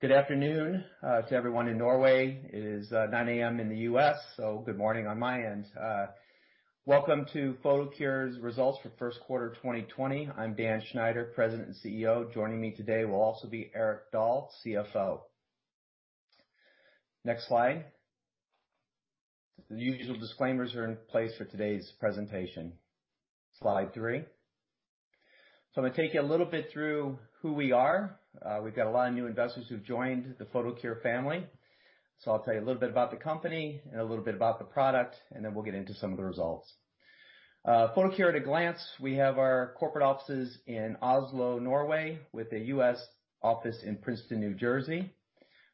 Good afternoon to everyone in Norway. It is 9:00 A.M. in the U.S., so good morning on my end. Welcome to Photocure's results for first quarter 2020. I'm Dan Schneider, President and CEO. Joining me today will also be Erik Dahl, CFO. Next slide. The usual disclaimers are in place for today's presentation. Slide three. So I'm going to take you a little bit through who we are. We've got a lot of new investors who've joined the Photocure family. So I'll tell you a little bit about the company and a little bit about the product, and then we'll get into some of the results. Photocure at a glance, we have our corporate offices in Oslo, Norway, with a U.S. office in Princeton, New Jersey.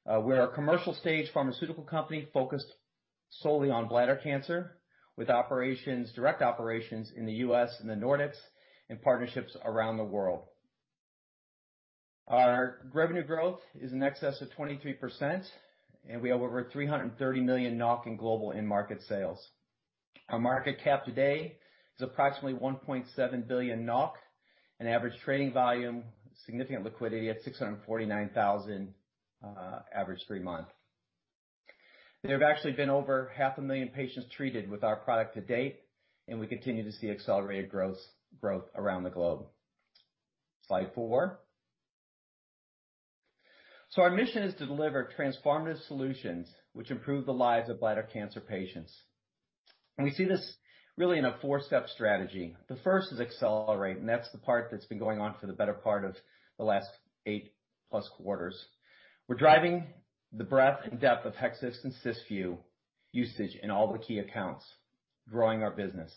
We're a commercial-stage pharmaceutical company focused solely on bladder cancer, with direct operations in the U.S. and the Nordics, and partnerships around the world. Our revenue growth is in excess of 23%, and we have over 330 million NOK in global in-market sales. Our market cap today is approximately 1.7 billion NOK, an average trading volume, significant liquidity at 649,000 average per month. There have actually been over 500,000 patients treated with our product to date, and we continue to see accelerated growth around the globe. Slide four. So our mission is to deliver transformative solutions which improve the lives of bladder cancer patients. And we see this really in a four-step strategy. The first is accelerate, and that's the part that's been going on for the better part of the last eight+ quarters. We're driving the breadth and depth of Hexvix and Cysview usage in all the key accounts, growing our business.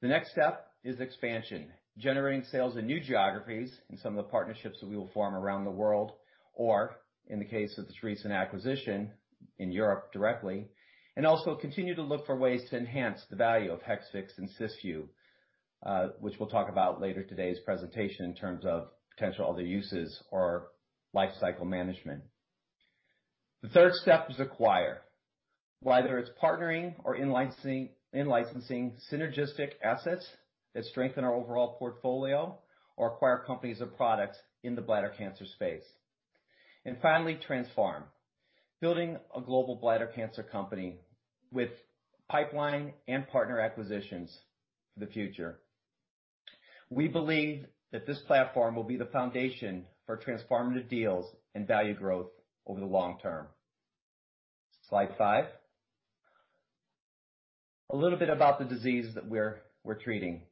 The next step is expansion, generating sales in new geographies and some of the partnerships that we will form around the world, or in the case of this recent acquisition in Europe directly, and also continue to look for ways to enhance the value of Hexvix and Cysview, which we'll talk about later in today's presentation in terms of potential other uses or lifecycle management. The third step is acquire, whether it's partnering or in-licensing synergistic assets that strengthen our overall portfolio or acquire companies or products in the bladder cancer space, and finally, transform, building a global bladder cancer company with pipeline and partner acquisitions for the future. We believe that this platform will be the foundation for transformative deals and value growth over the long term. Slide five. A little bit about the disease that we're treating.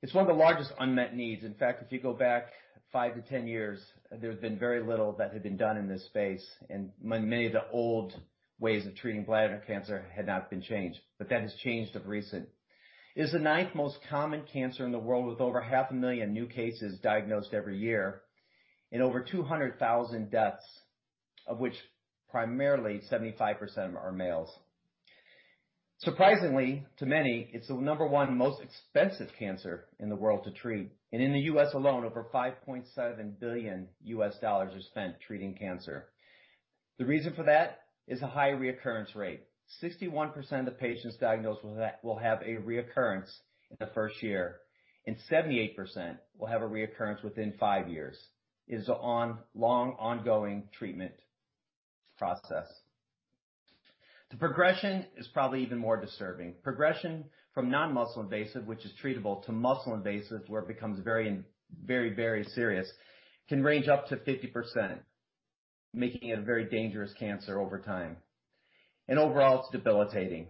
It's one of the largest unmet needs. In fact, if you go back 5 to 10 years, there's been very little that had been done in this space, and many of the old ways of treating bladder cancer had not been changed. But that has changed of recent. It is the ninth most common cancer in the world, with over 500,000 new cases diagnosed every year and over 200,000 deaths, of which primarily 75% are males. Surprisingly to many, it's the number one most expensive cancer in the world to treat. And in the U.S. alone, over $5.7 billion are spent treating cancer. The reason for that is a high recurrence rate. 61% of the patients diagnosed will have a recurrence in the first year, and 78% will have a recurrence within five years. It is a long ongoing treatment process. The progression is probably even more disturbing. Progression from non-muscle invasive, which is treatable, to muscle invasive, where it becomes very, very, very serious, can range up to 50%, making it a very dangerous cancer over time, and overall, it's debilitating.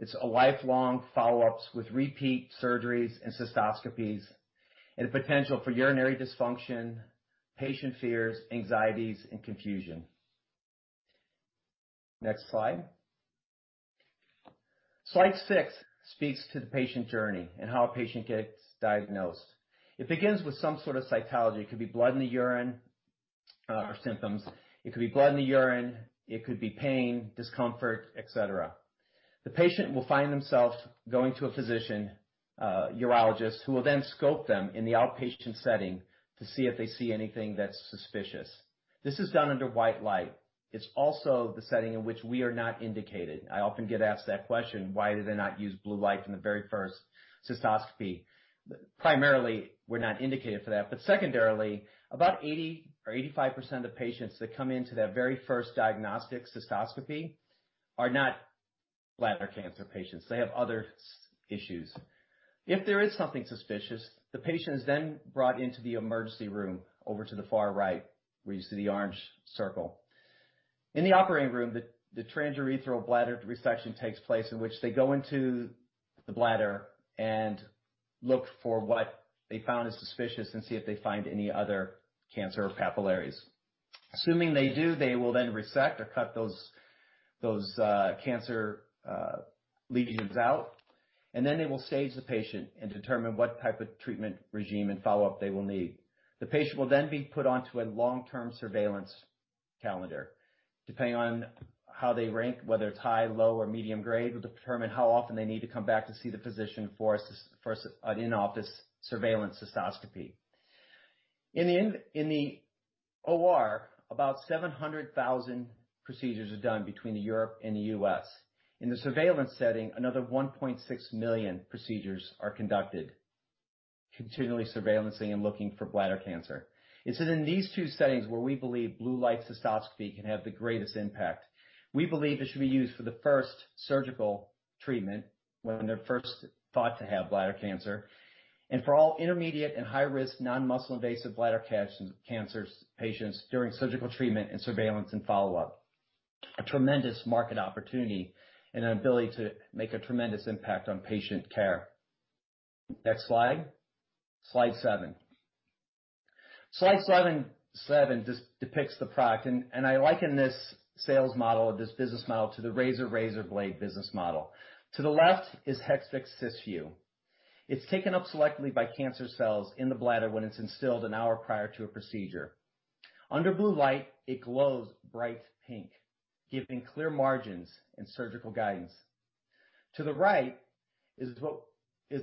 It's a lifelong follow-up with repeat surgeries and cystoscopies and a potential for urinary dysfunction, patient fears, anxieties, and confusion. Next slide. Slide six speaks to the patient journey and how a patient gets diagnosed. It begins with some sort of cytology. It could be blood in the urine or symptoms. It could be blood in the urine. It could be pain, discomfort, etc. The patient will find themselves going to a physician, urologist, who will then scope them in the outpatient setting to see if they see anything that's suspicious. This is done under white light. It's also the setting in which we are not indicated. I often get asked that question, "Why do they not use Blue Light in the very first cystoscopy?" Primarily, we're not indicated for that. But secondarily, about 80% or 85% of the patients that come into that very first diagnostic cystoscopy are not bladder cancer patients. They have other issues. If there is something suspicious, the patient is then brought into the emergency room over to the far right, where you see the orange circle. In the operating room, the transurethral bladder resection takes place, in which they go into the bladder and look for what they found is suspicious and see if they find any other cancer or papillaries. Assuming they do, they will then resect or cut those cancer lesions out, and then they will stage the patient and determine what type of treatment regimen and follow-up they will need. The patient will then be put onto a long-term surveillance calendar. Depending on how they risk, whether it's high, low, or medium grade, will determine how often they need to come back to see the physician for an in-office surveillance cystoscopy. In the OR, about 700,000 procedures are done between Europe and the U.S. In the surveillance setting, another 1.6 million procedures are conducted, continually surveilling and looking for bladder cancer. It's in these two settings where we believe Blue Light cystoscopy can have the greatest impact. We believe it should be used for the first surgical treatment when they're first thought to have bladder cancer, and for all intermediate and high-risk non-muscle invasive bladder cancer patients during surgical treatment and surveillance and follow-up. A tremendous market opportunity and an ability to make a tremendous impact on patient care. Next slide. Slide seven depicts the product, and I liken this sales model or this business model to the razor blade business model. To the left is Hexvix/Cysview. It's taken up selectively by cancer cells in the bladder when it's instilled an hour prior to a procedure. Under Blue Light, it glows bright pink, giving clear margins and surgical guidance. To the right is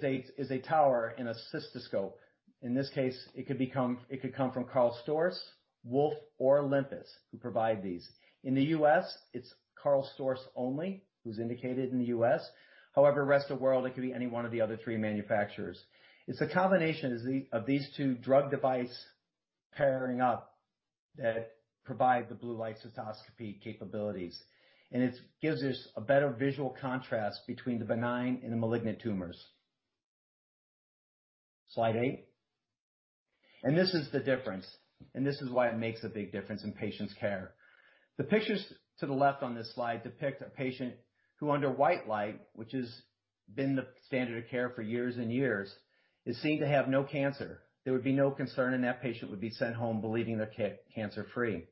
a tower and a cystoscope. In this case, it could come from KARL STORZ, Wolf, or Olympus, who provide these. In the US, it's KARL STORZ only who's indicated in the US. However, the rest of the world, it could be any one of the other three manufacturers. It's a combination of these two drug devices pairing up that provide the Blue Light cystoscopy capabilities, and it gives us a better visual contrast between the benign and the malignant tumors. Slide eight. And this is the difference, and this is why it makes a big difference in patients' care. The pictures to the left on this slide depict a patient who, under white light, which has been the standard of care for years and years, is seen to have no cancer. There would be no concern, and that patient would be sent home believing they're cancer-free.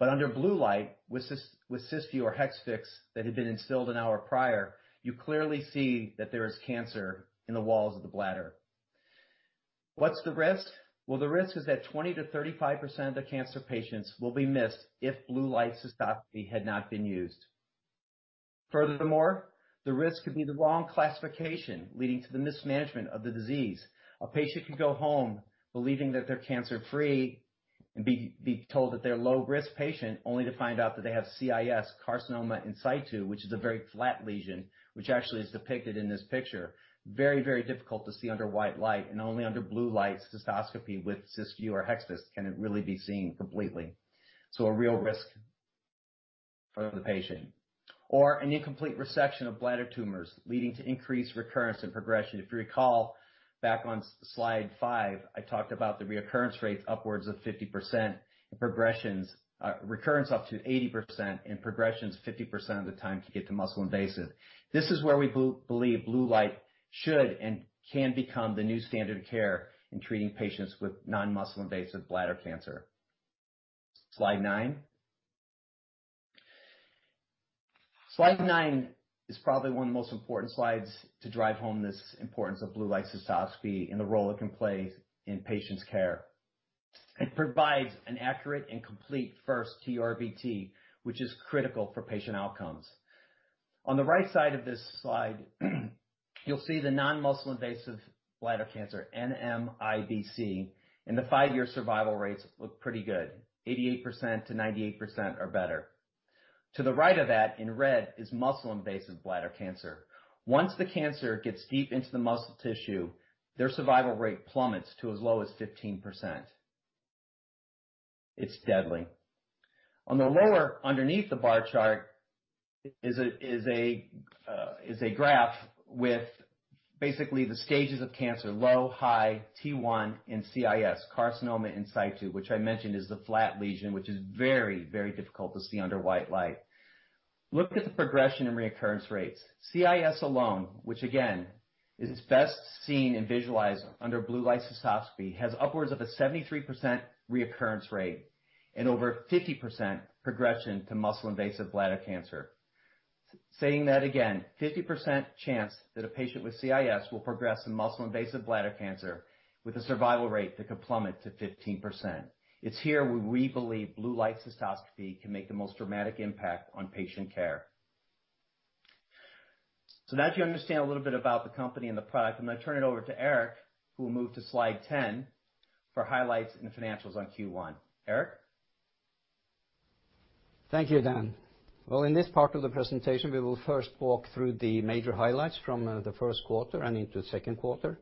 Under Blue Light, with Cysview or Hexvix that had been instilled an hour prior, you clearly see that there is cancer in the walls of the bladder. What's the risk? The risk is that 20%-35% of the cancer patients will be missed if Blue Light cystoscopy had not been used. Furthermore, the risk could be the wrong classification leading to the mismanagement of the disease. A patient could go home believing that they're cancer-free and be told that they're a low-risk patient, only to find out that they have CIS, carcinoma in situ, which is a very flat lesion, which actually is depicted in this picture. Very, very difficult to see under white light, and only under Blue Light cystoscopy with Cysview or Hexvix can it really be seen completely. A real risk for the patient. Or an incomplete resection of bladder tumors leading to increased recurrence and progression. If you recall, back on slide five, I talked about the recurrence rates upwards of 50%, recurrence up to 80%, and progression 50% of the time to get to muscle-invasive. This is where we believe Blue Light should and can become the new standard of care in treating patients with non-muscle-invasive bladder cancer. Slide nine. Slide nine is probably one of the most important slides to drive home this importance of Blue Light cystoscopy and the role it can play in patients' care. It provides an accurate and complete first TURBT, which is critical for patient outcomes. On the right side of this slide, you'll see the non-muscle-invasive bladder cancer, NMIBC, and the five-year survival rates look pretty good. 88%-98% are better. To the right of that, in red, is muscle-invasive bladder cancer. Once the cancer gets deep into the muscle tissue, their survival rate plummets to as low as 15%. It's deadly. On the lower, underneath the bar chart, is a graph with basically the stages of cancer: low, high, T1, and CIS, carcinoma in situ, which I mentioned is the flat lesion, which is very, very difficult to see under white light. Look at the progression and recurrence rates. CIS alone, which again is best seen and visualized under Blue Light cystoscopy, has upwards of a 73% recurrence rate and over 50% progression to muscle-invasive bladder cancer. Saying that again, 50% chance that a patient with CIS will progress to muscle-invasive bladder cancer with a survival rate that could plummet to 15%. It's here where we believe Blue Light cystoscopy can make the most dramatic impact on patient care. So now that you understand a little bit about the company and the product, I'm going to turn it over to Erik, who will move to slide 10 for highlights and financials on Q1. Erik? Thank you, Dan. In this part of the presentation, we will first walk through the major highlights from the first quarter and into the second quarter.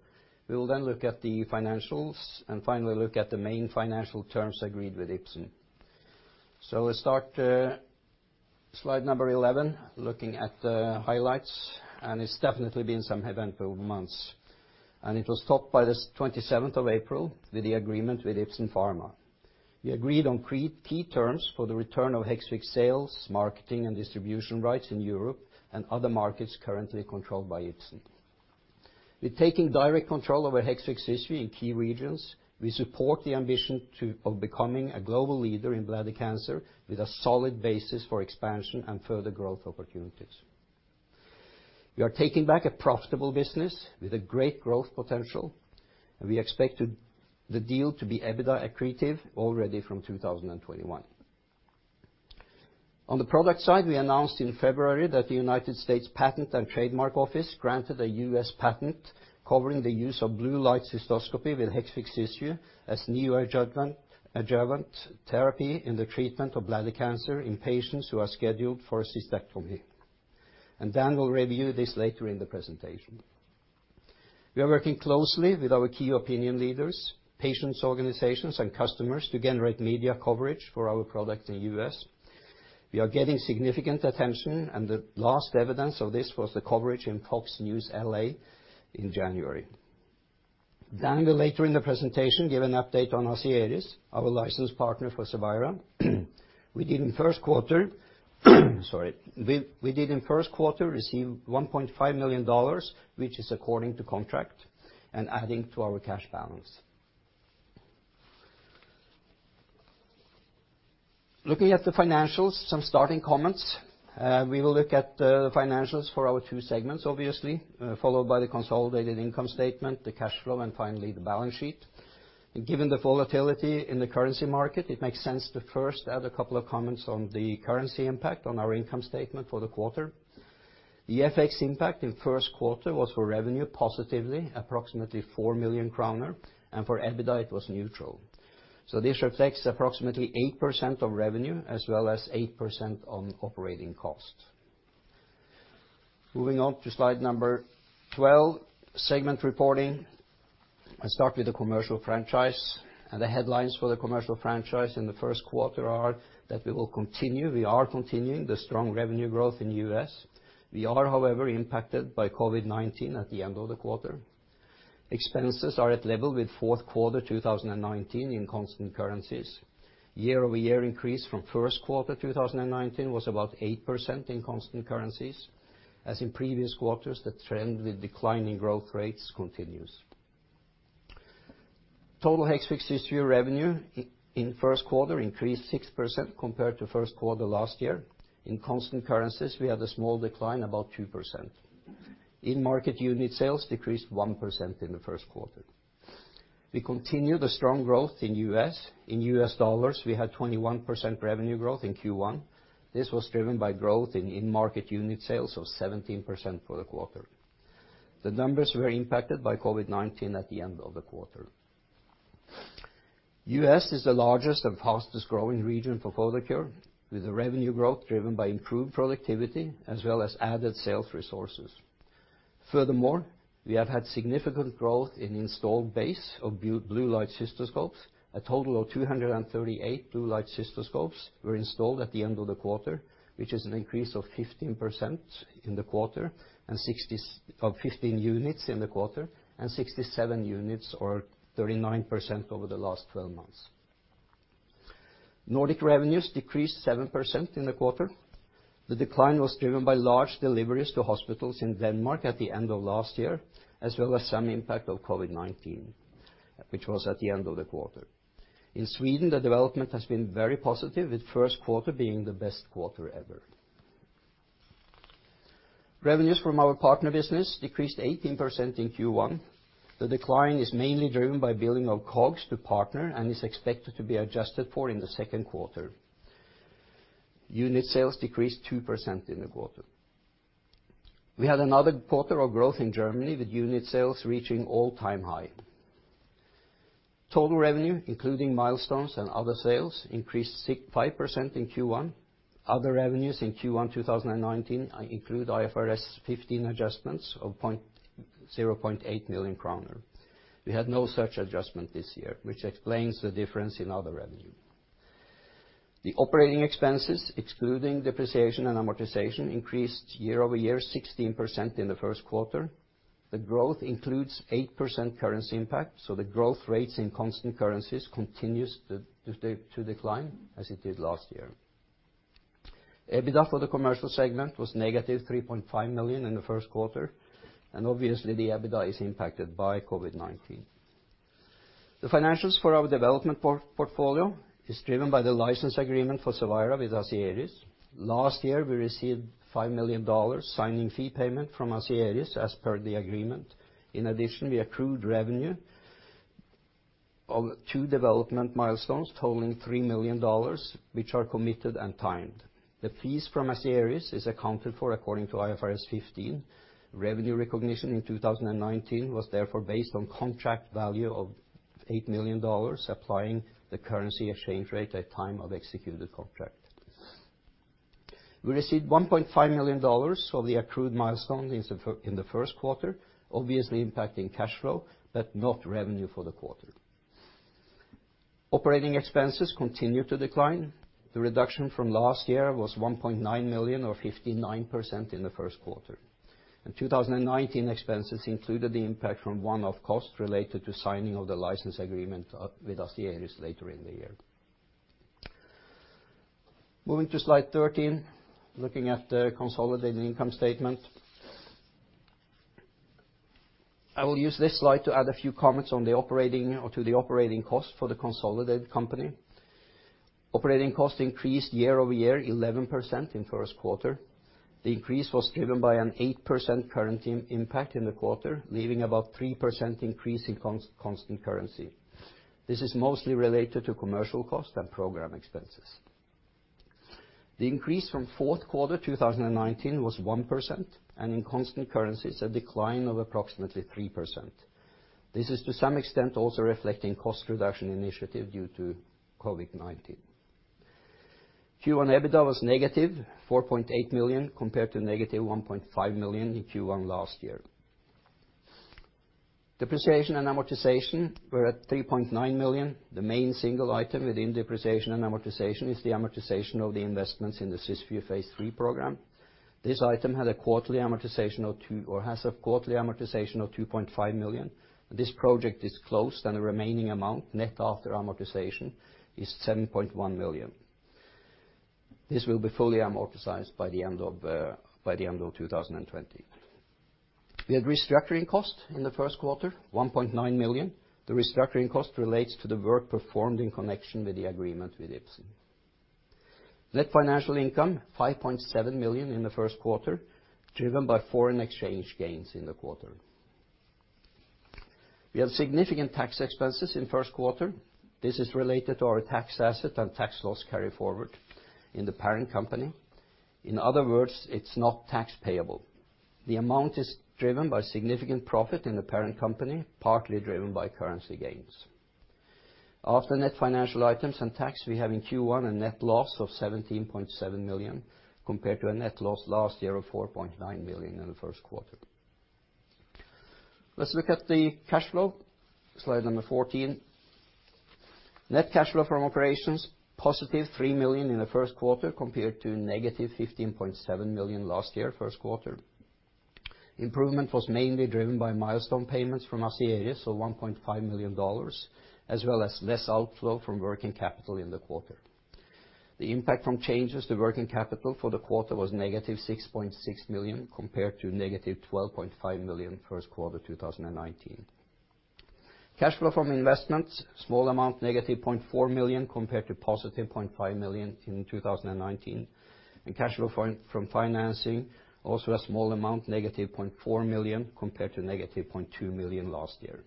We will then look at the financials and finally look at the main financial terms agreed with Ipsen. We'll start slide number 11, looking at the highlights, and it's definitely been some eventful months. It was topped by the 27th of April with the agreement with Ipsen Pharma. We agreed on key terms for the return of Hexvix sales, marketing, and distribution rights in Europe and other markets currently controlled by Ipsen. With taking direct control over Hexvix/Cysview in key regions, we support the ambition of becoming a global leader in bladder cancer with a solid basis for expansion and further growth opportunities. We are taking back a profitable business with a great growth potential, and we expect the deal to be EBITDA accretive already from 2021. On the product side, we announced in February that the United States Patent and Trademark Office granted a US patent covering the use of Blue Light cystoscopy with Hexvix/Cysview as new adjuvant therapy in the treatment of bladder cancer in patients who are scheduled for a cystectomy, and Dan will review this later in the presentation. We are working closely with our key opinion leaders, patients, organizations, and customers to generate media coverage for our product in the US. We are getting significant attention, and the last evidence of this was the coverage in FOX 11 Los Angeles in January. Dan will later in the presentation give an update on Asieris, our licensed partner for Cevira. We did in first quarter receive $1.5 million, which is according to contract and adding to our cash balance. Looking at the financials, some starting comments. We will look at the financials for our two segments, obviously, followed by the consolidated income statement, the cash flow, and finally the balance sheet. Given the volatility in the currency market, it makes sense to first add a couple of comments on the currency impact on our income statement for the quarter. The FX impact in first quarter was for revenue positively, approximately 4 million kroner, and for EBITDA, it was neutral. So this reflects approximately 8% of revenue as well as 8% on operating cost. Moving on to slide number 12, segment reporting. I'll start with the commercial franchise, and the headlines for the commercial franchise in the first quarter are that we will continue—we are continuing the strong revenue growth in the U.S. We are, however, impacted by COVID-19 at the end of the quarter. Expenses are at level with fourth quarter 2019 in constant currencies. Year-over-year increase from first quarter 2019 was about 8% in constant currencies. As in previous quarters, the trend with declining growth rates continues. Total Hexvix/Cysview revenue in first quarter increased 6% compared to first quarter last year. In constant currencies, we had a small decline, about 2%. In-market unit sales decreased 1% in the first quarter. We continue the strong growth in U.S.. In US dollars, we had 21% revenue growth in Q1. This was driven by growth in in-market unit sales of 17% for the quarter. The numbers were impacted by COVID-19 at the end of the quarter. U.S. is the largest and fastest-growing region for Photocure, with the revenue growth driven by improved productivity as well as added sales resources. Furthermore, we have had significant growth in the installed base of Blue Light cystoscopes. A total of 238 Blue Light cystoscopes were installed at the end of the quarter, which is an increase of 15% in the quarter and 15 units in the quarter and 67 units or 39% over the last 12 months. Nordic revenues decreased 7% in the quarter. The decline was driven by large deliveries to hospitals in Denmark at the end of last year, as well as some impact of COVID-19, which was at the end of the quarter. In Sweden, the development has been very positive, with first quarter being the best quarter ever. Revenues from our partner business decreased 18% in Q1. The decline is mainly driven by billing of COGS to partner and is expected to be adjusted for in the second quarter. Unit sales decreased 2% in the quarter. We had another quarter of growth in Germany, with unit sales reaching all-time high. Total revenue, including milestones and other sales, increased 5% in Q1. Other revenues in Q1 2019 include IFRS 15 adjustments of 0.8 million kroner. We had no such adjustment this year, which explains the difference in other revenue. The operating expenses, excluding depreciation and amortization, increased year-over-year 16% in the first quarter. The growth includes 8% currency impact, so the growth rates in constant currencies continues to decline as it did last year. EBITDA for the commercial segment was negative 3.5 million in the first quarter, and obviously, the EBITDA is impacted by COVID-19. The financials for our development portfolio are driven by the license agreement for Cevira with Asieris. Last year, we received $5 million signing fee payment from Asieris as per the agreement. In addition, we accrued revenue of two development milestones totaling $3 million, which are committed and timed. The fees from Asieris are accounted for according to IFRS 15. Revenue recognition in 2019 was therefore based on contract value of $8 million, applying the currency exchange rate at time of executed contract. We received $1.5 million of the accrued milestone in the first quarter, obviously impacting cash flow, but not revenue for the quarter. Operating expenses continue to decline. The reduction from last year was $1.9 million, or 59% in the first quarter. In 2019, expenses included the impact from one-off costs related to signing of the license agreement with Asieris later in the year. Moving to slide 13, looking at the consolidated income statement. I will use this slide to add a few comments on the operating or to the operating cost for the consolidated company. Operating costs increased year-over-year 11% in first quarter. The increase was driven by an 8% currency impact in the quarter, leaving about 3% increase in constant currency. This is mostly related to commercial costs and program expenses. The increase from fourth quarter 2019 was 1%, and in constant currencies, a decline of approximately 3%. This is to some extent also reflecting cost reduction initiative due to COVID-19. Q1 EBITDA was -4.8 million compared to -1.5 million in Q1 last year. Depreciation and amortization were at 3.9 million. The main single item within depreciation and amortization is the amortization of the investments in the Cysview phase 3 program. This item has a quarterly amortization of 2.5 million. This project is closed, and the remaining amount net after amortization is 7.1 million. This will be fully amortized by the end of 2020. We had restructuring costs in the first quarter, 1.9 million. The restructuring cost relates to the work performed in connection with the agreement with Ipsen. Net financial income, 5.7 million in the first quarter, driven by foreign exchange gains in the quarter. We had significant tax expenses in first quarter. This is related to our tax asset and tax loss carry forward in the parent company. In other words, it's not tax payable. The amount is driven by significant profit in the parent company, partly driven by currency gains. After net financial items and tax, we have in Q1 a net loss of 17.7 million compared to a net loss last year of 4.9 million in the first quarter. Let's look at the cash flow, slide number 14. Net cash flow from operations, 3 million in the first quarter compared to -15.7 million last year, first quarter. Improvement was mainly driven by milestone payments from Asieris, so $1.5 million, as well as less outflow from working capital in the quarter. The impact from changes to working capital for the quarter was -6.6 million compared to -12.5 million first quarter 2019. Cash flow from investments, small amount, -0.4 million compared to positive 0.5 million in 2019. And cash flow from financing, also a small amount, -0.4 million compared to -0.2 million last year.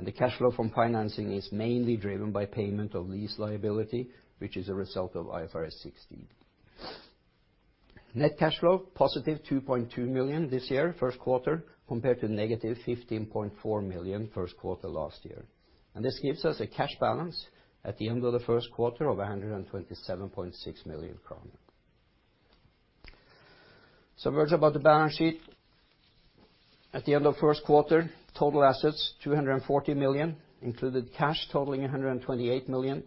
The cash flow from financing is mainly driven by payment of lease liability, which is a result of IFRS 16. Net cash flow positive 2.2 million this year, first quarter, compared to negative 15.4 million first quarter last year. This gives us a cash balance at the end of the first quarter of 127.6 million kroner. Some words about the balance sheet. At the end of the first quarter, total assets 240 million, included cash totaling 128 million.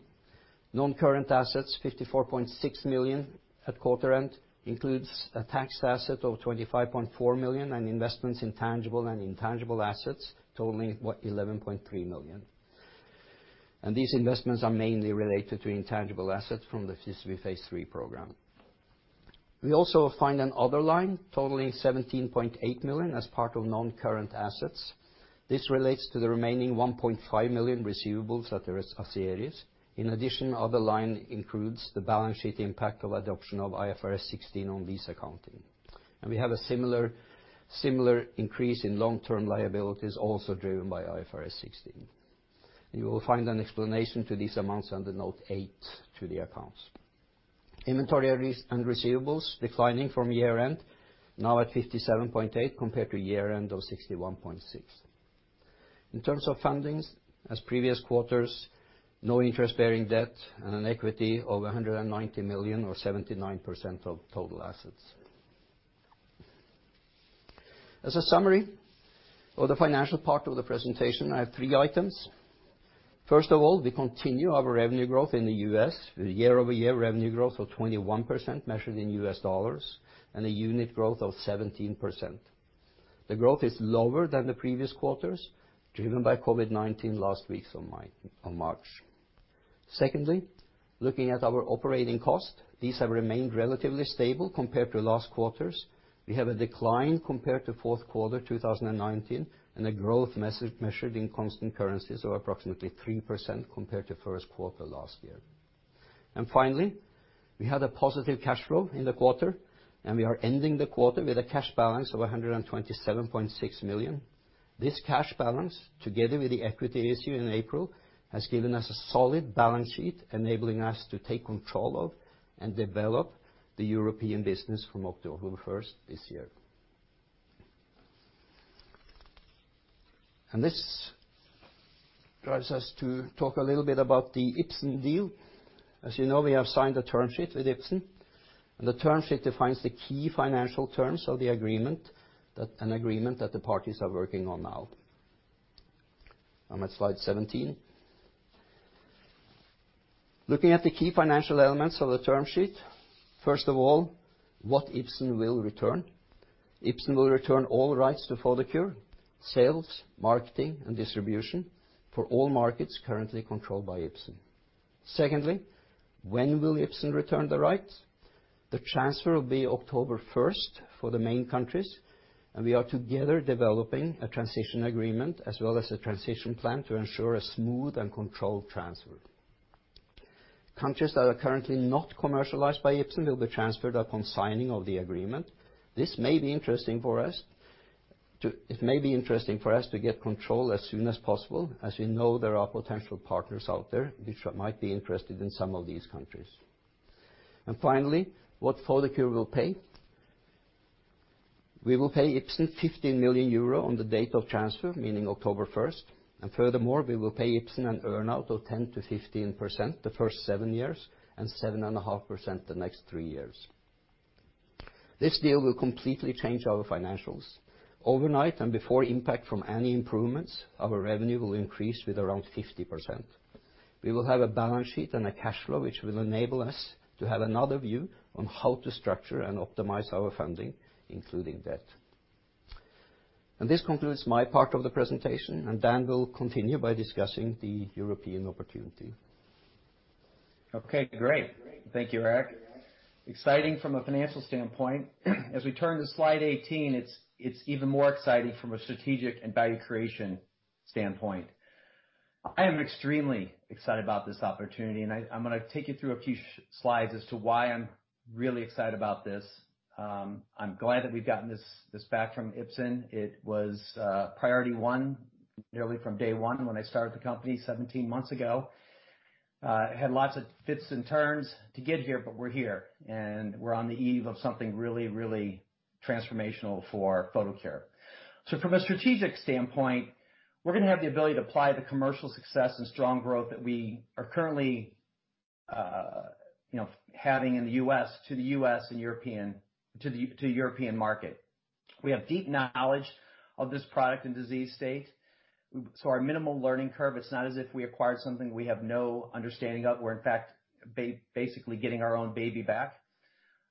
Non-current assets 54.6 million at quarter end, includes a tax asset of 25.4 million and investments in tangible and intangible assets totaling 11.3 million. These investments are mainly related to intangible assets from the Cysview phase 3 program. We also find another line totaling 17.8 million as part of non-current assets. This relates to the remaining 1.5 million receivables at the Asieris. In addition, the other line includes the balance sheet impact of adoption of IFRS 16 on lease accounting. And we have a similar increase in long-term liabilities also driven by IFRS 16. You will find an explanation to these amounts under note 8 to the accounts. Inventory and receivables declining from year-end, now at 57.8 compared to year-end of 61.6. In terms of fundings, as previous quarters, no interest-bearing debt and an equity of 190 million, or 79% of total assets. As a summary of the financial part of the presentation, I have three items. First of all, we continue our revenue growth in the U.S. with year-over-year revenue growth of 21% measured in U.S. dollars and a unit growth of 17%. The growth is lower than the previous quarters, driven by COVID-19 last week on March. Secondly, looking at our operating cost, these have remained relatively stable compared to last quarters. We have a decline compared to fourth quarter 2019 and a growth measured in constant currencies of approximately 3% compared to first quarter last year. And finally, we had a positive cash flow in the quarter, and we are ending the quarter with a cash balance of 127.6 million. This cash balance, together with the equity issue in April, has given us a solid balance sheet enabling us to take control of and develop the European business from October 1st this year. And this drives us to talk a little bit about the Ipsen deal. As you know, we have signed a term sheet with Ipsen, and the term sheet defines the key financial terms of the agreement, an agreement that the parties are working on now. I'm at slide 17. Looking at the key financial elements of the term sheet, first of all, what Ipsen will return. Ipsen will return all rights to Photocure, sales, marketing, and distribution for all markets currently controlled by Ipsen. Secondly, when will Ipsen return the rights? The transfer will be October 1st for the main countries, and we are together developing a transition agreement as well as a transition plan to ensure a smooth and controlled transfer. Countries that are currently not commercialized by Ipsen will be transferred upon signing of the agreement. This may be interesting for us. It may be interesting for us to get control as soon as possible, as we know there are potential partners out there which might be interested in some of these countries. And finally, what Photocure will pay? We will pay Ipsen 15 million euro on the date of transfer, meaning October 1st. Furthermore, we will pay Ipsen an earnout of 10%-15% the first seven years and 7.5% the next three years. This deal will completely change our financials. Overnight and before impact from any improvements, our revenue will increase with around 50%. We will have a balance sheet and a cash flow which will enable us to have another view on how to structure and optimize our funding, including debt. This concludes my part of the presentation, and Dan will continue by discussing the European opportunity. Okay, great. Thank you, Erik. Exciting from a financial standpoint. As we turn to slide 18, it's even more exciting from a strategic and value creation standpoint. I am extremely excited about this opportunity, and I'm going to take you through a few slides as to why I'm really excited about this. I'm glad that we've gotten this back from Ipsen. It was priority one nearly from day one when I started the company 17 months ago. It had lots of twists and turns to get here, but we're here, and we're on the eve of something really, really transformational for Photocure. So from a strategic standpoint, we're going to have the ability to apply the commercial success and strong growth that we are currently having in the U.S. to the U.S. and European market. We have deep knowledge of this product and disease state. Our minimal learning curve. It's not as if we acquired something we have no understanding of. We're, in fact, basically getting our own baby back.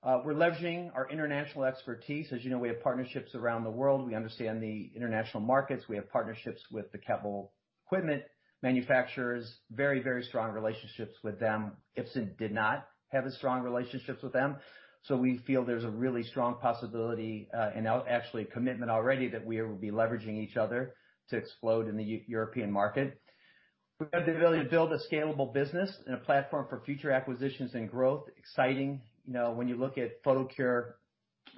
We're leveraging our international expertise. As you know, we have partnerships around the world. We understand the international markets. We have partnerships with the capital equipment manufacturers, very, very strong relationships with them. Ipsen did not have as strong relationships with them. So we feel there's a really strong possibility and actually a commitment already that we will be leveraging each other to explode in the European market. We have the ability to build a scalable business and a platform for future acquisitions and growth. Exciting. When you look at Photocure,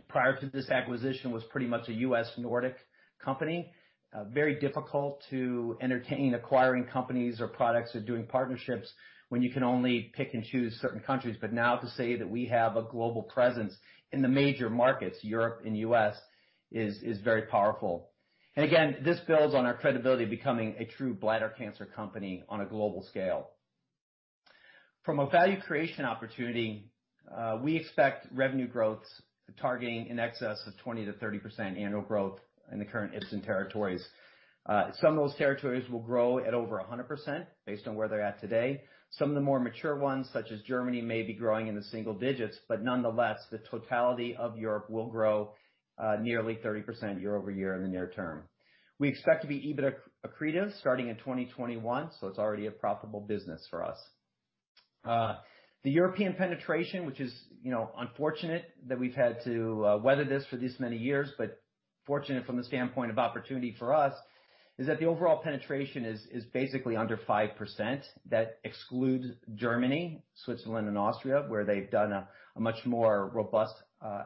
prior to this acquisition, it was pretty much a U.S. Nordic company. Very difficult to entertain acquiring companies or products or doing partnerships when you can only pick and choose certain countries. But now to say that we have a global presence in the major markets, Europe and U.S., is very powerful. And again, this builds on our credibility of becoming a true bladder cancer company on a global scale. From a value creation opportunity, we expect revenue growth targeting in excess of 20%-30% annual growth in the current Ipsen territories. Some of those territories will grow at over 100% based on where they're at today. Some of the more mature ones, such as Germany, may be growing in the single digits, but nonetheless, the totality of Europe will grow nearly 30% year-over-year in the near term. We expect to be even accretive starting in 2021, so it's already a profitable business for us. The European penetration, which is unfortunate that we've had to weather this for this many years, but fortunate from the standpoint of opportunity for us, is that the overall penetration is basically under 5%. That excludes Germany, Switzerland, and Austria, where they've done a much more robust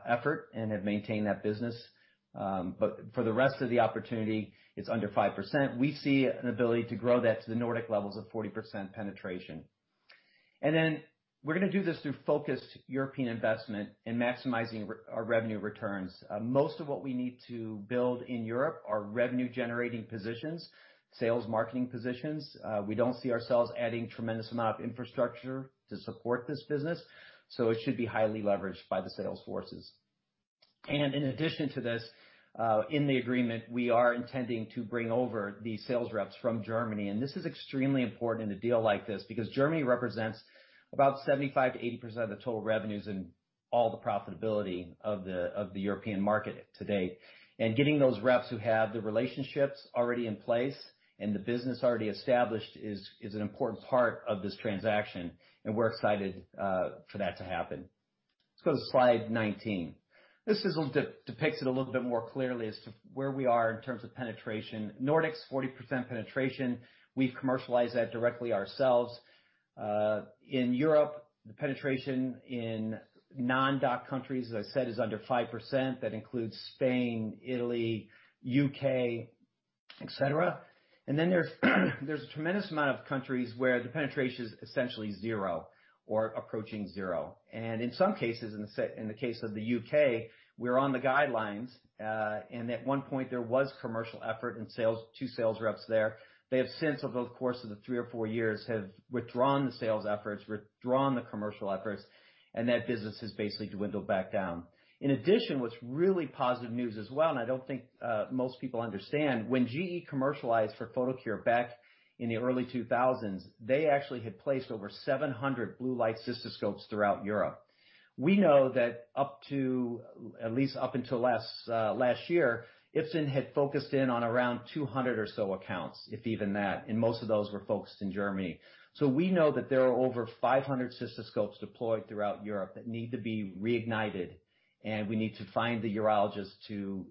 effort and have maintained that business. But for the rest of the opportunity, it's under 5%. We see an ability to grow that to the Nordic levels of 40% penetration. And then we're going to do this through focused European investment and maximizing our revenue returns. Most of what we need to build in Europe are revenue-generating positions, sales marketing positions. We don't see ourselves adding a tremendous amount of infrastructure to support this business, so it should be highly leveraged by the sales forces. In addition to this, in the agreement, we are intending to bring over the sales reps from Germany. This is extremely important in a deal like this because Germany represents about 75%-80% of the total revenues and all the profitability of the European market today. Getting those reps who have the relationships already in place and the business already established is an important part of this transaction, and we're excited for that to happen. Let's go to slide 19. This depicts it a little bit more clearly as to where we are in terms of penetration. Nordics, 40% penetration. We've commercialized that directly ourselves. In Europe, the penetration in non-DACH countries, as I said, is under 5%. That includes Spain, Italy, the UK, etc. Then there's a tremendous amount of countries where the penetration is essentially zero or approaching zero. In some cases, in the case of the UK, we're on the guidelines. At one point, there was commercial effort and two sales reps there. They have since, over the course of the three or four years, withdrawn the sales efforts, withdrawn the commercial efforts, and that business has basically dwindled back down. In addition, what's really positive news as well, and I don't think most people understand, when GE commercialized for Photocure back in the early 2000s, they actually had placed over 700 Blue Light cystoscopes throughout Europe. We know that at least up until last year, Ipsen had focused in on around 200 or so accounts, if even that, and most of those were focused in Germany. So we know that there are over 500 cystoscopes deployed throughout Europe that need to be reignited, and we need to find the urologist to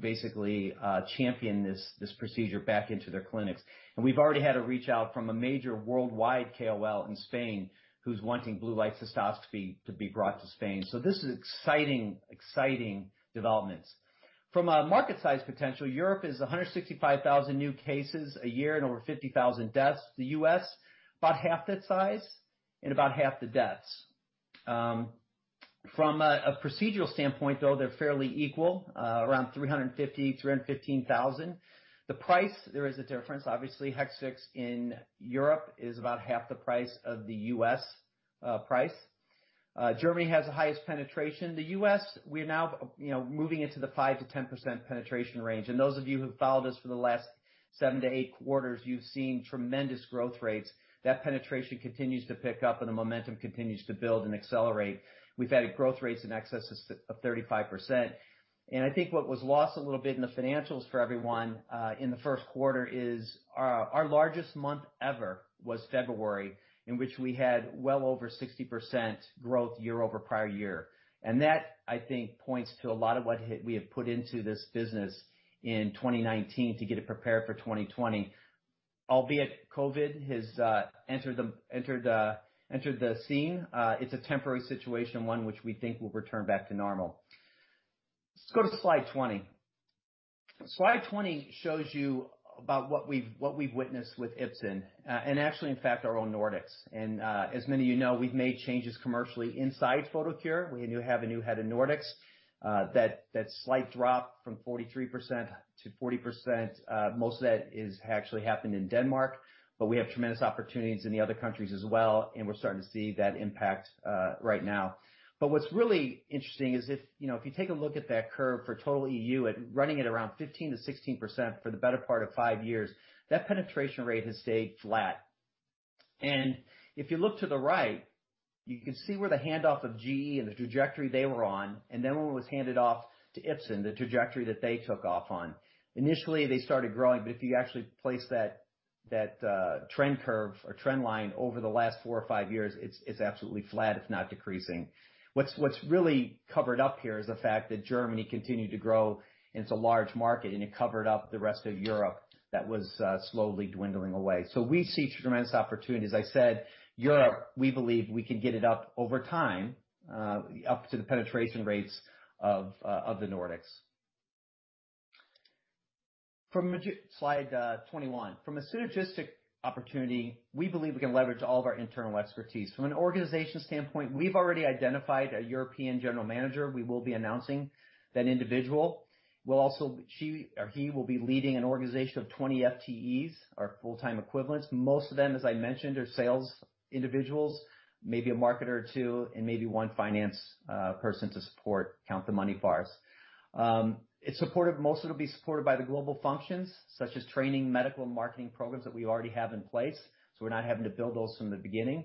basically champion this procedure back into their clinics. And we've already had a reach out from a major worldwide KOL in Spain who's wanting Blue Light cystoscopy to be brought to Spain. So this is exciting, exciting developments. From a market size potential, Europe is 165,000 new cases a year and over 50,000 deaths. The US, about half that size and about half the deaths. From a procedural standpoint, though, they're fairly equal, around 350,000, 315,000. The price, there is a difference, obviously. Hexvix in Europe is about half the price of the US price. Germany has the highest penetration. The US, we're now moving into the 5%-10% penetration range. Those of you who've followed us for the last seven to eight quarters, you've seen tremendous growth rates. That penetration continues to pick up, and the momentum continues to build and accelerate. We've had growth rates in excess of 35%. I think what was lost a little bit in the financials for everyone in the first quarter is our largest month ever was February, in which we had well over 60% growth year-over-year. That, I think, points to a lot of what we have put into this business in 2019 to get it prepared for 2020. Albeit COVID has entered the scene, it's a temporary situation, one which we think will return back to normal. Let's go to slide 20. Slide 20 shows you about what we've witnessed with Ipsen and actually, in fact, our own Nordics. As many of you know, we've made changes commercially inside Photocure. We have a new head in Nordics. That slight drop from 43% to 40%, most of that has actually happened in Denmark, but we have tremendous opportunities in the other countries as well, and we're starting to see that impact right now. What's really interesting is if you take a look at that curve for total EU, running at around 15%-16% for the better part of five years, that penetration rate has stayed flat. If you look to the right, you can see where the handoff of GE and the trajectory they were on, and then when it was handed off to Ipsen, the trajectory that they took off on. Initially, they started growing, but if you actually place that trend curve or trend line over the last four or five years, it's absolutely flat, if not decreasing. What's really covered up here is the fact that Germany continued to grow, and it's a large market, and it covered up the rest of Europe that was slowly dwindling away. So we see tremendous opportunity. As I said, Europe, we believe we can get it up over time, up to the penetration rates of the Nordics. Slide 21. From a synergistic opportunity, we believe we can leverage all of our internal expertise. From an organization standpoint, we've already identified a European general manager. We will be announcing that individual. She or he will be leading an organization of 20 FTEs, our full-time equivalents. Most of them, as I mentioned, are sales individuals, maybe a marketer or two, and maybe one finance person to support, count the money bars. It's supported. Most of it will be supported by the global functions, such as training, medical, and marketing programs that we already have in place, so we're not having to build those from the beginning.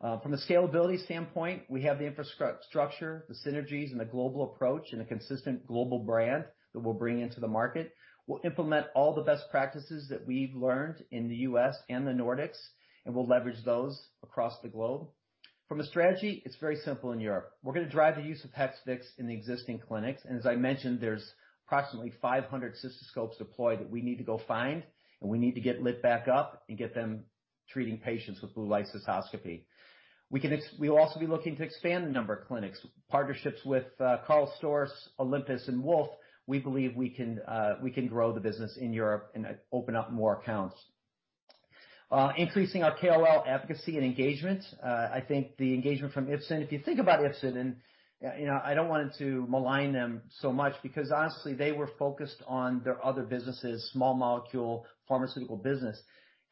From a scalability standpoint, we have the infrastructure, the synergies, and the global approach and a consistent global brand that we'll bring into the market. We'll implement all the best practices that we've learned in the U.S. and the Nordics, and we'll leverage those across the globe. From a strategy, it's very simple in Europe. We're going to drive the use of Hexvix in the existing clinics. As I mentioned, there's approximately 500 cystoscopes deployed that we need to go find, and we need to get lit back up and get them treating patients with Blue Light cystoscopy. We'll also be looking to expand the number of clinics. Partnerships with KARL STORZ, Olympus, and Wolf, we believe we can grow the business in Europe and open up more accounts. Increasing our KOL advocacy and engagement. I think the engagement from Ipsen, if you think about Ipsen, and I don't want to malign them so much because honestly, they were focused on their other businesses, small molecule pharmaceutical business.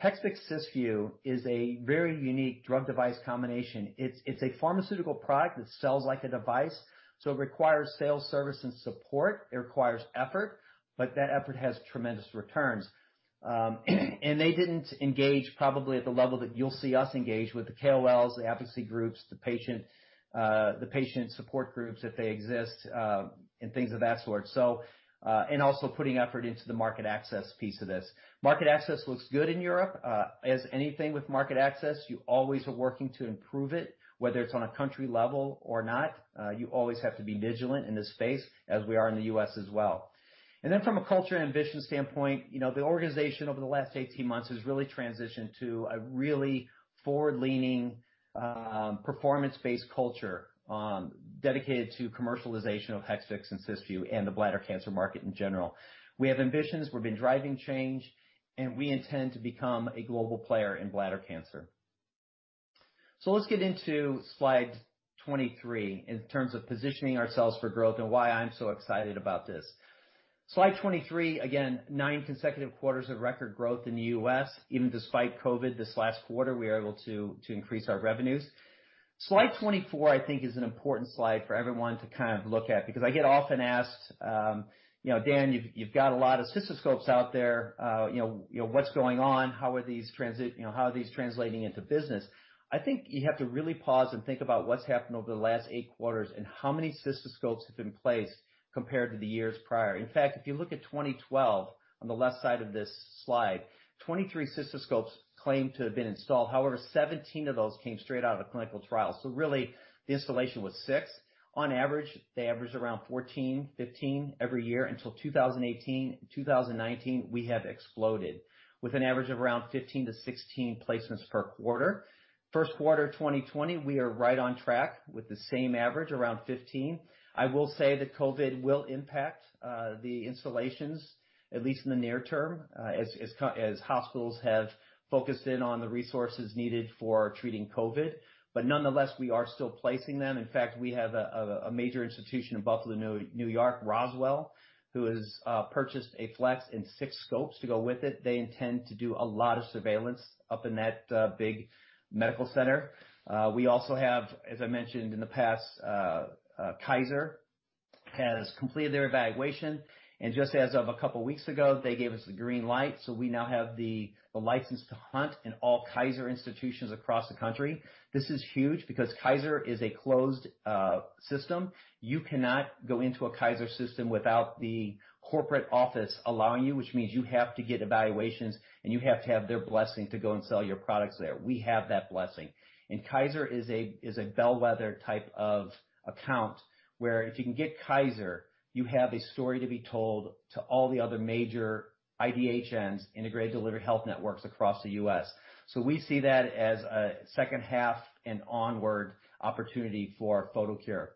Hexvix/Cysview is a very unique drug-device combination. It's a pharmaceutical product that sells like a device, so it requires sales, service, and support. It requires effort, but that effort has tremendous returns. And they didn't engage probably at the level that you'll see us engage with the KOLs, the advocacy groups, the patient support groups if they exist, and things of that sort. And also putting effort into the market access piece of this. Market access looks good in Europe. As anything with market access, you always are working to improve it, whether it's on a country level or not. You always have to be vigilant in this space, as we are in the U.S. as well. And then from a culture and ambition standpoint, the organization over the last 18 months has really transitioned to a really forward-leaning, performance-based culture dedicated to commercialization of Hexvix and Cysview and the bladder cancer market in general. We have ambitions. We've been driving change, and we intend to become a global player in bladder cancer. So let's get into slide 23 in terms of positioning ourselves for growth and why I'm so excited about this. Slide 23, again, nine consecutive quarters of record growth in the U.S. Even despite COVID, this last quarter, we were able to increase our revenues. Slide 24, I think, is an important slide for everyone to kind of look at because I get often asked, "Dan, you've got a lot of cystoscopes out there. What's going on? How are these translating into business?" I think you have to really pause and think about what's happened over the last eight quarters and how many cystoscopes have been placed compared to the years prior. In fact, if you look at 2012 on the left side of this slide, 23 cystoscopes claimed to have been installed. However, 17 of those came straight out of the clinical trial. So really, the installation was six. On average, they averaged around 14, 15 every year until 2018. In 2019, we have exploded with an average of around 15 to 16 placements per quarter. First quarter of 2020, we are right on track with the same average, around 15. I will say that COVID will impact the installations, at least in the near term, as hospitals have focused in on the resources needed for treating COVID. But nonetheless, we are still placing them. In fact, we have a major institution in Buffalo, New York, Roswell, who has purchased a flex and six scopes to go with it. They intend to do a lot of surveillance up in that big medical center. We also have, as I mentioned in the past, Kaiser has completed their evaluation. And just as of a couple of weeks ago, they gave us the green light, so we now have the license to hunt in all Kaiser institutions across the country. This is huge because Kaiser is a closed system. You cannot go into a Kaiser system without the corporate office allowing you, which means you have to get evaluations, and you have to have their blessing to go and sell your products there. We have that blessing. And Kaiser is a bellwether type of account where if you can get Kaiser, you have a story to be told to all the other major IDHNs, integrated delivery health networks across the U.S. So we see that as a second half and onward opportunity for Photocure.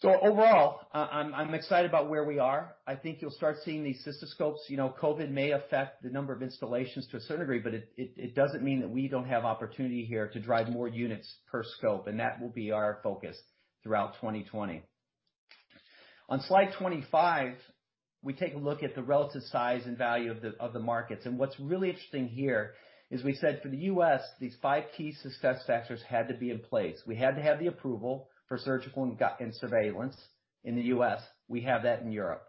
So overall, I'm excited about where we are. I think you'll start seeing these cystoscopes. COVID-19 may affect the number of installations to a certain degree, but it doesn't mean that we don't have opportunity here to drive more units per scope, and that will be our focus throughout 2020. On slide 25, we take a look at the relative size and value of the markets, and what's really interesting here is we said for the U.S., these five key success factors had to be in place. We had to have the approval for surgical and surveillance in the U.S. We have that in Europe.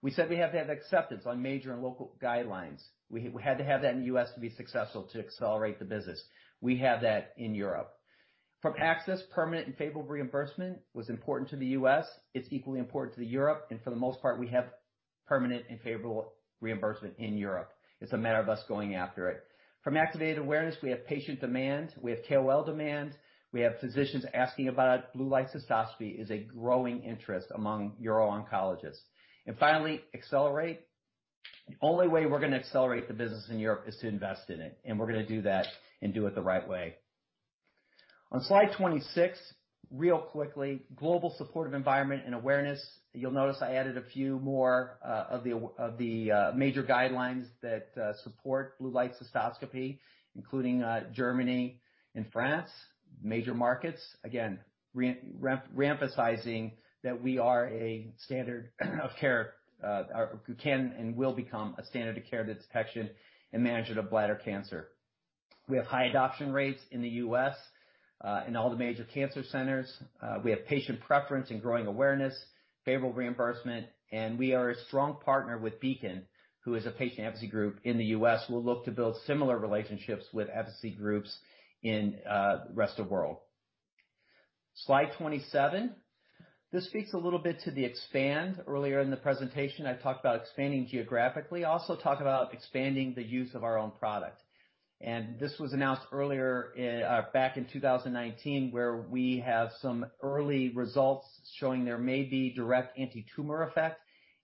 We said we have to have acceptance on major and local guidelines. We had to have that in the U.S. to be successful to accelerate the business. We have that in Europe. From access, permanent and favorable reimbursement was important to the U.S. It's equally important to Europe. And for the most part, we have permanent and favorable reimbursement in Europe. It's a matter of us going after it. From activated awareness, we have patient demand. We have KOL demand. We have physicians asking about Blue Light cystoscopy is a growing interest among uro-oncologists. And finally, accelerate. The only way we're going to accelerate the business in Europe is to invest in it, and we're going to do that and do it the right way. On slide 26, real quickly, global supportive environment and awareness. You'll notice I added a few more of the major guidelines that support Blue Light cystoscopy, including Germany and France, major markets. Again, reemphasizing that we are a standard of care or can and will become a standard of care to detection and management of bladder cancer. We have high adoption rates in the U.S. in all the major cancer centers. We have patient preference and growing awareness, favorable reimbursement, and we are a strong partner with BCAN, who is a patient advocacy group in the US. We'll look to build similar relationships with advocacy groups in the rest of the world. Slide 27. This speaks a little bit to the expand. Earlier in the presentation, I talked about expanding geographically, also talked about expanding the use of our own product, and this was announced earlier back in 2019 where we have some early results showing there may be direct anti-tumor effect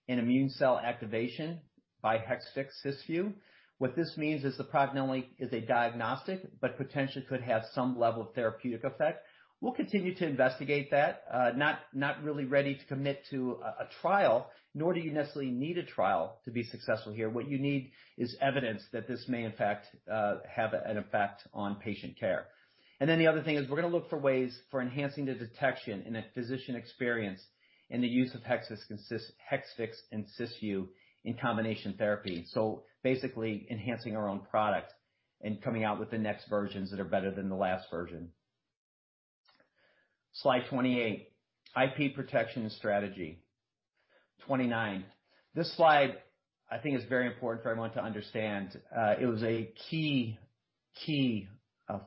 and immune cell activation by Hexvix/Cysview. What this means is the product not only is a diagnostic, but potentially could have some level of therapeutic effect. We'll continue to investigate that. Not really ready to commit to a trial, nor do you necessarily need a trial to be successful here. What you need is evidence that this may, in fact, have an effect on patient care. And then the other thing is we're going to look for ways for enhancing the detection and physician experience in the use of Hexvix and Cysview in combination therapy. So basically, enhancing our own product and coming out with the next versions that are better than the last version. Slide 28. IP protection and strategy. 29. This slide, I think, is very important for everyone to understand. It was a key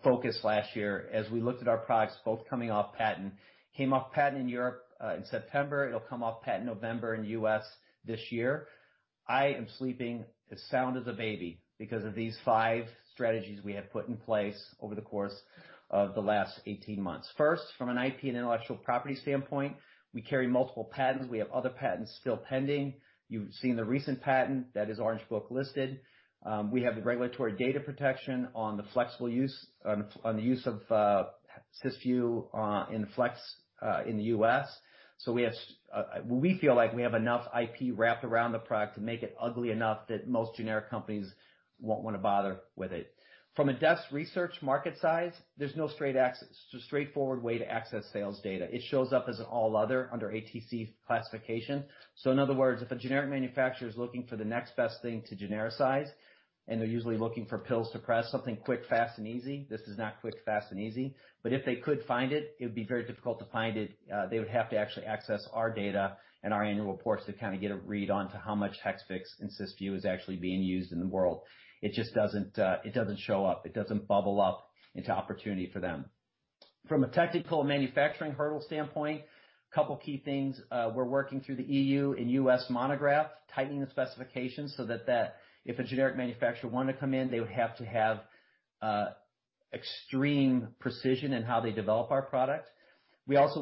focus last year as we looked at our products both coming off patent. Came off patent in Europe in September. It'll come off patent November in the US this year. I am sleeping as sound as a baby because of these five strategies we have put in place over the course of the last 18 months. First, from an IP and intellectual property standpoint, we carry multiple patents. We have other patents still pending. You've seen the recent patent that is Orange Book listed. We have the regulatory data protection on the flexible use on the use of Cysview in flex in the US. So we feel like we have enough IP wrapped around the product to make it ugly enough that most generic companies won't want to bother with it. From a desk research market size, there's no straightforward way to access sales data. It shows up as an all other under ATC classification. So in other words, if a generic manufacturer is looking for the next best thing to genericize, and they're usually looking for pills to press, something quick, fast, and easy, this is not quick, fast, and easy. But if they could find it, it would be very difficult to find it. They would have to actually access our data and our annual reports to kind of get a read onto how much Hexvix and Cysview is actually being used in the world. It just doesn't show up. It doesn't bubble up into opportunity for them. From a technical manufacturing hurdle standpoint, a couple of key things. We're working through the EU and U.S. monograph, tightening the specifications so that if a generic manufacturer wanted to come in, they would have to have extreme precision in how they develop our product. We also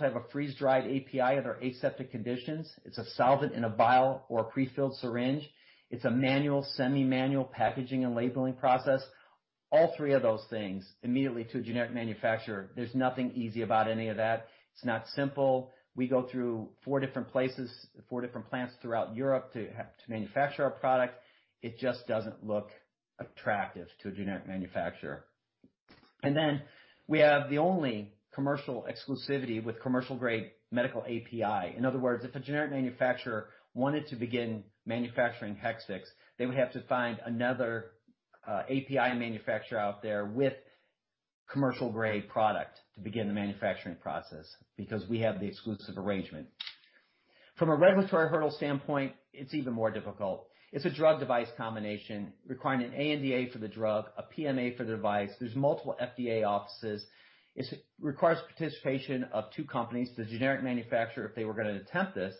have a freeze-dried API under aseptic conditions. It's a solvent in a vial or a prefilled syringe. It's a manual, semi-manual packaging and labeling process. All three of those things immediately to a generic manufacturer. There's nothing easy about any of that. It's not simple. We go through four different places, four different plants throughout Europe to manufacture our product. It just doesn't look attractive to a generic manufacturer, and then we have the only commercial exclusivity with commercial-grade medical API. In other words, if a generic manufacturer wanted to begin manufacturing Hexvix, they would have to find another API manufacturer out there with commercial-grade product to begin the manufacturing process because we have the exclusive arrangement. From a regulatory hurdle standpoint, it's even more difficult. It's a drug-device combination requiring an ANDA for the drug, a PMA for the device. There's multiple FDA offices. It requires participation of two companies, the generic manufacturer if they were going to attempt this,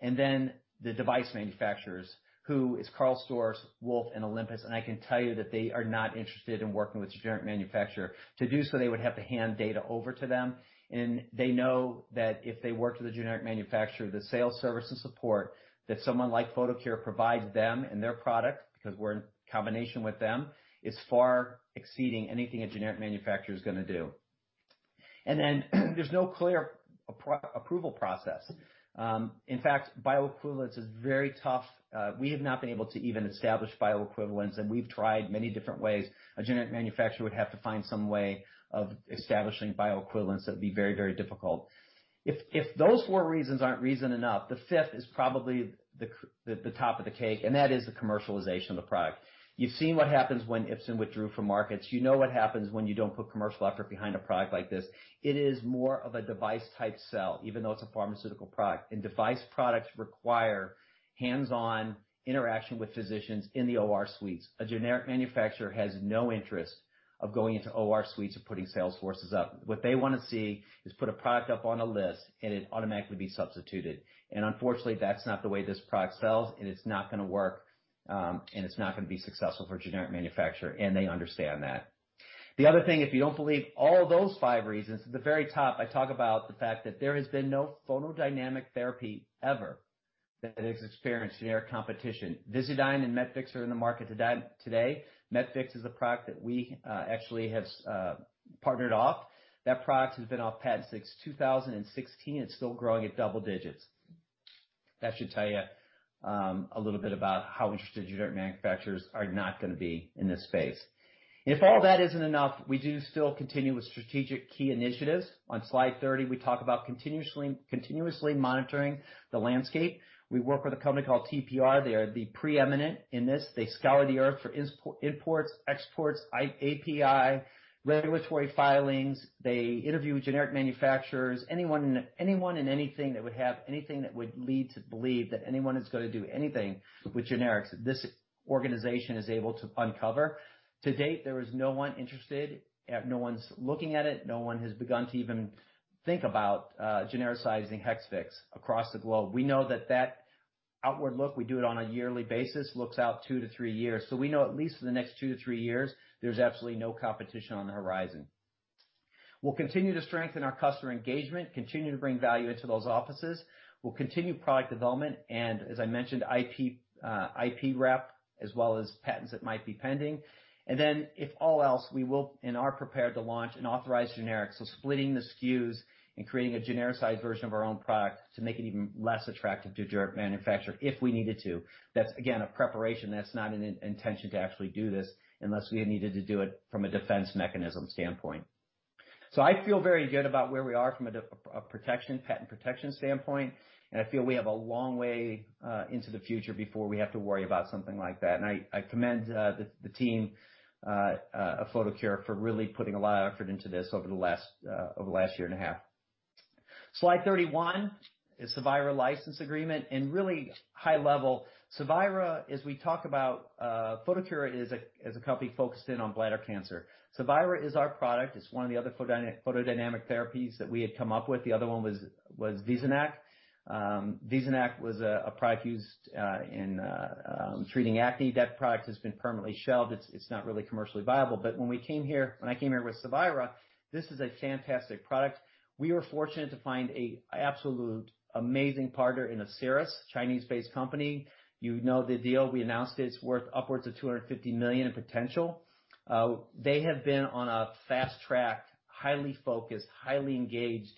and then the device manufacturers, who is KARL STORZ, Wolf, and Olympus, and I can tell you that they are not interested in working with the generic manufacturer. To do so, they would have to hand data over to them. And they know that if they work with a generic manufacturer, the sales, service, and support that someone like Photocure provides them and their product because we're in combination with them is far exceeding anything a generic manufacturer is going to do. And then there's no clear approval process. In fact, bioequivalence is very tough. We have not been able to even establish bioequivalence, and we've tried many different ways. A generic manufacturer would have to find some way of establishing bioequivalence that would be very, very difficult. If those four reasons aren't reason enough, the fifth is probably the top of the cake, and that is the commercialization of the product. You've seen what happens when Ipsen withdrew from markets. You know what happens when you don't put commercial effort behind a product like this. It is more of a device-type sell, even though it's a pharmaceutical product. Device products require hands-on interaction with physicians in the OR suites. A generic manufacturer has no interest in going into OR suites and putting sales forces up. What they want to see is put a product up on a list, and it automatically be substituted. Unfortunately, that's not the way this product sells, and it's not going to work, and it's not going to be successful for a generic manufacturer, and they understand that. The other thing, if you don't believe all those five reasons, at the very top, I talk about the fact that there has been no photodynamic therapy ever that has experienced generic competition. Visudyne and Metvix are in the market today. Metvix is a product that we actually have partnered off. That product has been off patent since 2016. It's still growing at double digits. That should tell you a little bit about how interested generic manufacturers are not going to be in this space. If all that isn't enough, we do still continue with strategic key initiatives. On slide 30, we talk about continuously monitoring the landscape. We work with a company called TPI. They are the preeminent in this. They scour the earth for imports, exports, API, regulatory filings. They interview generic manufacturers, anyone and anything that would have anything that would lead to believe that anyone is going to do anything with generics that this organization is able to uncover. To date, there is no one interested. No one's looking at it. No one has begun to even think about genericizing Hexvix across the globe. We know that that outward look, we do it on a yearly basis, looks out two to three years. So we know at least for the next two to three years, there's absolutely no competition on the horizon. We'll continue to strengthen our customer engagement, continue to bring value into those offices. We'll continue product development and, as I mentioned, IP wrap as well as patents that might be pending. And then, if all else, we will and are prepared to launch an authorized generic. So splitting the SKUs and creating a genericized version of our own product to make it even less attractive to a direct manufacturer if we needed to. That's, again, a preparation. That's not an intention to actually do this unless we needed to do it from a defense mechanism standpoint. So I feel very good about where we are from a patent protection standpoint, and I feel we have a long way into the future before we have to worry about something like that. I commend the team of Photocure for really putting a lot of effort into this over the last year and a half. Slide 31 is Cevira license agreement. Really high level, Cevira, as we talk about, Photocure is a company focused in on bladder cancer. Cevira is our product. It's one of the other photodynamic therapies that we had come up with. The other one was Visonac. Visonac was a product used in treating acne. That product has been permanently shelved. It's not really commercially viable. When we came here, when I came here with Cevira, this is a fantastic product. We were fortunate to find an absolute amazing partner in Asieris, a Chinese-based company. You know the deal. We announced it. It's worth upwards of $250 million in potential. They have been on a fast track, highly focused, highly engaged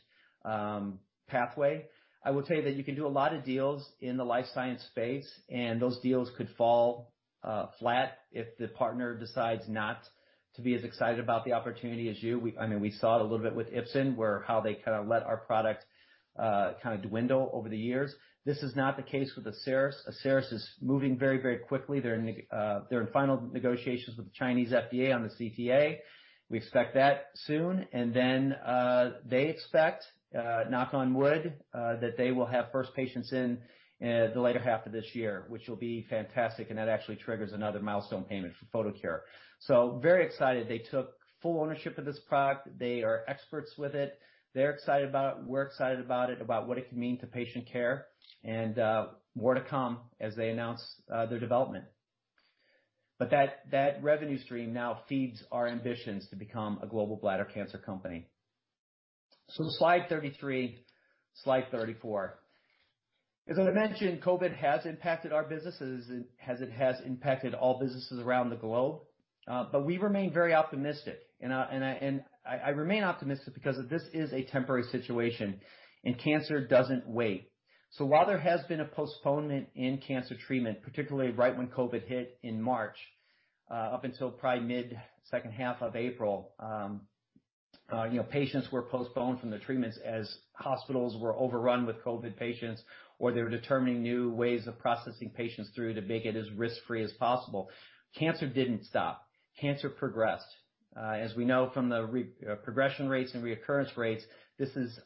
pathway. I will tell you that you can do a lot of deals in the life science space, and those deals could fall flat if the partner decides not to be as excited about the opportunity as you. I mean, we saw it a little bit with Ipsen where how they kind of let our product kind of dwindle over the years. This is not the case with Asieris. Asieris is moving very, very quickly. They're in final negotiations with the Chinese FDA on the CTA. We expect that soon, and then they expect, knock on wood, that they will have first patients in the later half of this year, which will be fantastic, and that actually triggers another milestone payment for Photocure, so very excited. They took full ownership of this product. They are experts with it. They're excited about it. We're excited about it, about what it can mean to patient care, and more to come as they announce their development. But that revenue stream now feeds our ambitions to become a global bladder cancer company. So slide 33, slide 34. As I mentioned, COVID has impacted our businesses as it has impacted all businesses around the globe. But we remain very optimistic. And I remain optimistic because this is a temporary situation, and cancer doesn't wait. So while there has been a postponement in cancer treatment, particularly right when COVID hit in March, up until probably mid-second half of April, patients were postponed from their treatments as hospitals were overrun with COVID patients, or they were determining new ways of processing patients through to make it as risk-free as possible. Cancer didn't stop. Cancer progressed. As we know from the progression rates and recurrence rates, this is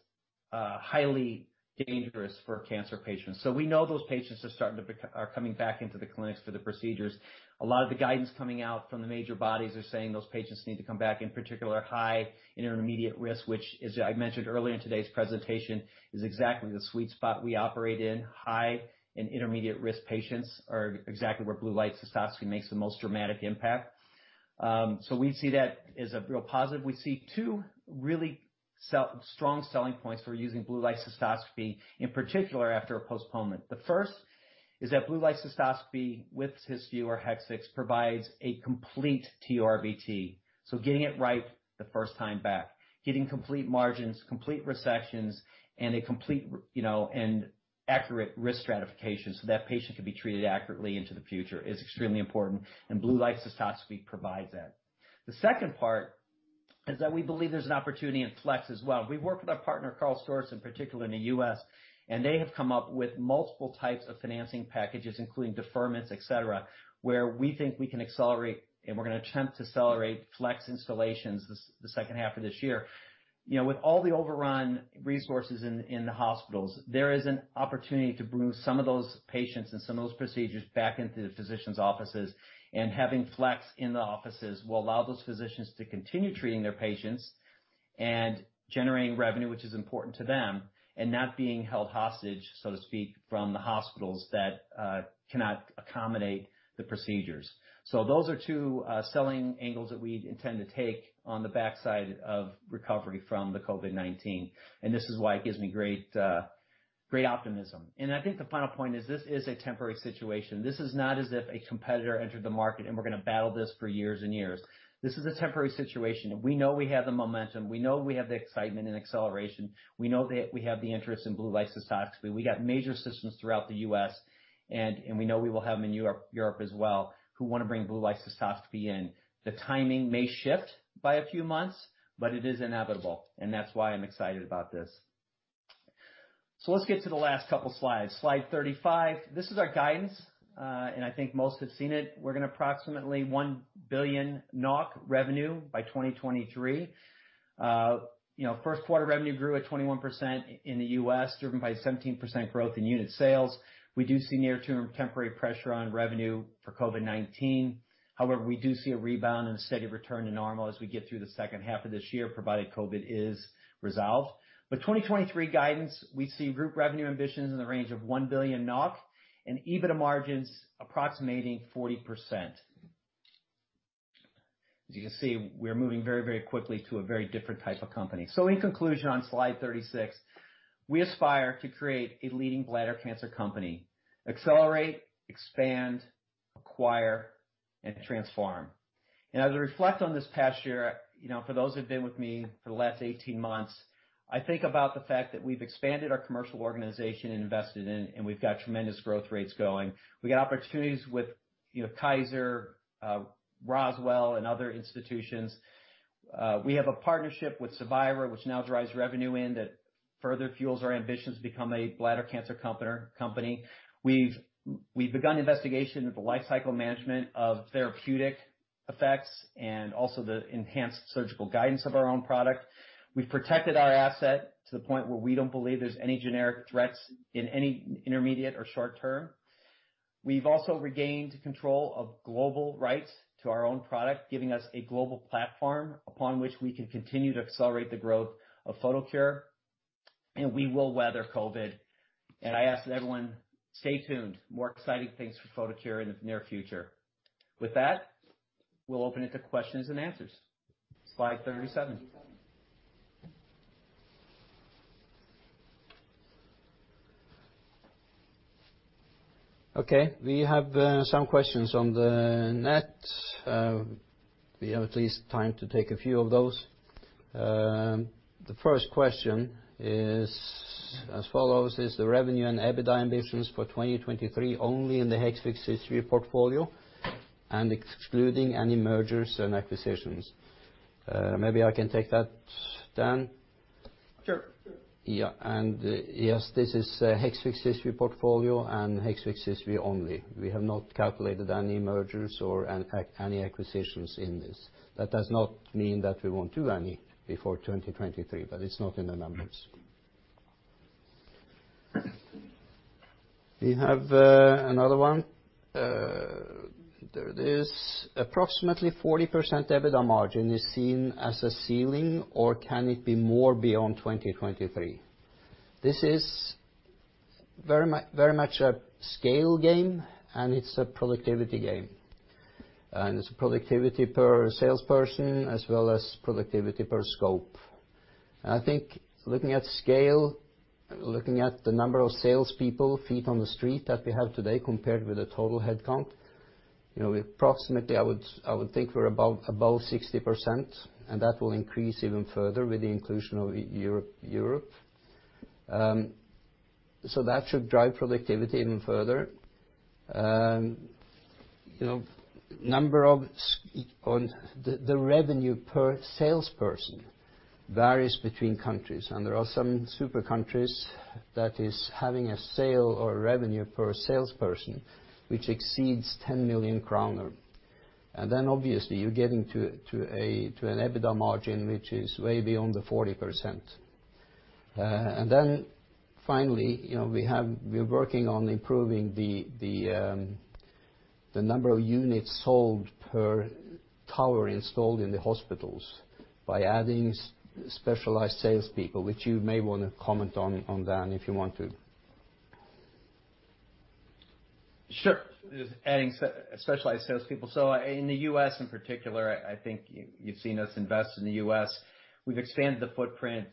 highly dangerous for cancer patients. So we know those patients are starting to be coming back into the clinics for the procedures. A lot of the guidance coming out from the major bodies are saying those patients need to come back, in particular, high and intermediate risk, which, as I mentioned earlier in today's presentation, is exactly the sweet spot we operate in. High and intermediate risk patients are exactly where Blue Light cystoscopy makes the most dramatic impact. So we see that as a real positive. We see two really strong selling points for using Blue Light cystoscopy, in particular, after a postponement. The first is that Blue Light cystoscopy with Cysview or Hexvix provides a complete TURBT. Getting it right the first time back, getting complete margins, complete resections, and a complete and accurate risk stratification so that patient can be treated accurately into the future is extremely important. Blue Light cystoscopy provides that. The second part is that we believe there's an opportunity in flex as well. We work with our partner, KARL STORZ, in particular, in the U.S., and they have come up with multiple types of financing packages, including deferments, etc., where we think we can accelerate, and we're going to attempt to accelerate flex installations the second half of this year. With all the overrun resources in the hospitals, there is an opportunity to bring some of those patients and some of those procedures back into the physicians' offices. And having flex in the offices will allow those physicians to continue treating their patients and generating revenue, which is important to them, and not being held hostage, so to speak, from the hospitals that cannot accommodate the procedures. So those are two selling angles that we intend to take on the backside of recovery from the COVID-19. And this is why it gives me great optimism. And I think the final point is this is a temporary situation. This is not as if a competitor entered the market and we're going to battle this for years and years. This is a temporary situation. We know we have the momentum. We know we have the excitement and acceleration. We know that we have the interest in Blue Light cystoscopy. We got major systems throughout the U.S., and we know we will have them in Europe as well who want to bring Blue Light cystoscopy in. The timing may shift by a few months, but it is inevitable, and that's why I'm excited about this. Let's get to the last couple of slides. Slide 35. This is our guidance, and I think most have seen it. We're going to approximately 1 billion NOK revenue by 2023. First quarter revenue grew at 21% in the U.S., driven by 17% growth in unit sales. We do see near-term temporary pressure on revenue for COVID-19. However, we do see a rebound and a steady return to normal as we get through the second half of this year, provided COVID is resolved, but 2023 guidance, we see group revenue ambitions in the range of 1 billion NOK and EBITDA margins approximating 40%. As you can see, we are moving very, very quickly to a very different type of company. So in conclusion, on slide 36, we aspire to create a leading bladder cancer company, accelerate, expand, acquire, and transform. And as I reflect on this past year, for those who have been with me for the last 18 months, I think about the fact that we've expanded our commercial organization and invested in it, and we've got tremendous growth rates going. We got opportunities with Kaiser, Roswell, and other institutions. We have a partnership with Cevira, which now drives revenue in that further fuels our ambitions to become a bladder cancer company. We've begun investigation into the life cycle management of therapeutic effects and also the enhanced surgical guidance of our own product. We've protected our asset to the point where we don't believe there's any generic threats in any intermediate or short term. We've also regained control of global rights to our own product, giving us a global platform upon which we can continue to accelerate the growth of Photocure. And we will weather COVID. And I ask that everyone stay tuned. More exciting things for Photocure in the near future. With that, we'll open it to questions-and-answers. Slide 37. Okay. We have some questions on the net. We have at least time to take a few of those. The first question is as follows: Is the revenue and EBITDA ambitions for 2023 only in the Hexvix/Cysview portfolio and excluding any mergers and acquisitions? Maybe I can take that, Dan? Sure. Yeah. And yes, this is Hexvix/Cysview portfolio and Hexvix/Cysview only. We have not calculated any mergers or any acquisitions in this. That does not mean that we won't do any before 2023, but it's not in the numbers. We have another one. There it is. Approximately 40% EBITDA margin is seen as a ceiling, or can it be more beyond 2023? This is very much a scale game, and it's a productivity game and it's a productivity per salesperson as well as productivity per scope, and I think looking at scale, looking at the number of salespeople, feet on the street that we have today compared with the total headcount, approximately I would think we're above 60%, and that will increase even further with the inclusion of Europe. So that should drive productivity even further. The revenue per salesperson varies between countries. There are some super countries that are having a sales or revenue per salesperson which exceeds 10 million kroner. Then, obviously, you're getting to an EBITDA margin which is way beyond the 40%. Then, finally, we're working on improving the number of units sold per tower installed in the hospitals by adding specialized salespeople, which you may want to comment on, Dan, if you want to. Sure. Adding specialized salespeople. So in the U.S., in particular, I think you've seen us invest in the U.S. We've expanded the footprint.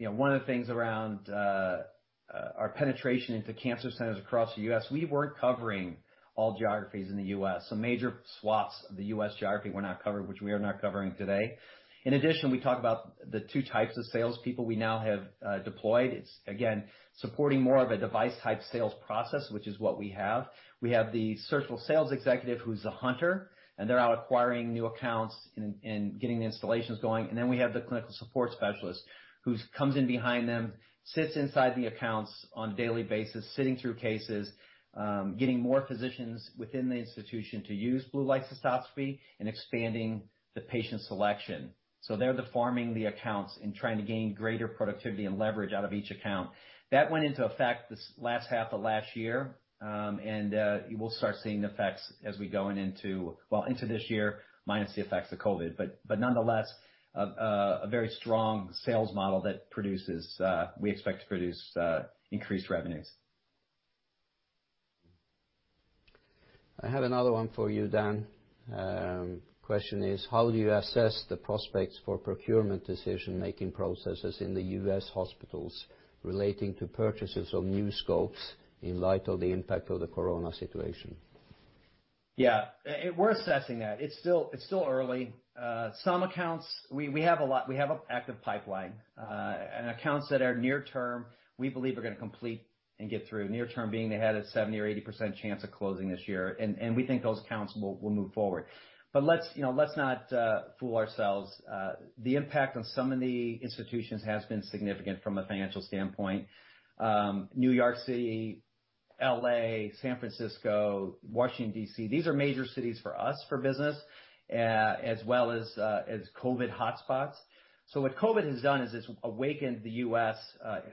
One of the things around our penetration into cancer centers across the U.S., we weren't covering all geographies in the U.S. So major swaths of the U.S. geography were not covered, which we are not covering today. In addition, we talk about the two types of salespeople we now have deployed. It's again supporting more of a device-type sales process, which is what we have. We have the surgical sales executive who's a hunter, and they're out acquiring new accounts and getting the installations going, and then we have the clinical support specialist who comes in behind them, sits inside the accounts on a daily basis, sitting through cases, getting more physicians within the institution to use Blue Light cystoscopy and expanding the patient selection, so they're the farming of the accounts and trying to gain greater productivity and leverage out of each account. That went into effect this last half of last year, and we'll start seeing the effects as we go into this year, minus the effects of COVID, but nonetheless, a very strong sales model that we expect to produce increased revenues. I have another one for you, Dan. The question is, how do you assess the prospects for procurement decision-making processes in the U.S. hospitals relating to purchases of new scopes in light of the impact of the corona situation? Yeah. We're assessing that. It's still early. Some accounts, we have an active pipeline. And accounts that are near-term, we believe are going to complete and get through. Near-term being they had a 70 or 80% chance of closing this year. And we think those accounts will move forward. But let's not fool ourselves. The impact on some of the institutions has been significant from a financial standpoint. New York City, LA, San Francisco, Washington, D.C., these are major cities for us for business as well as COVID hotspots. So what COVID has done is it's awakened the U.S.